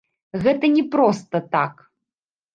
Гэта не проста так.